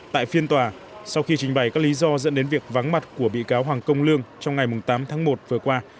tại phiên tòa sau khi trình bày các lý do dẫn đến việc vắng mặt của bị cáo hoàng công lương trong ngày tám tháng một vừa qua